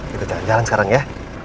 kita jalan jalan sekarang ya